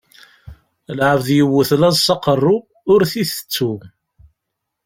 Lɛebd yewwet laẓ s aqeṛṛu, ur t-itettu.